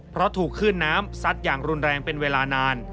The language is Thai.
เพราะถูกขึ้นน้ำซัดอย่างรุนแรงเป็นเวลานาน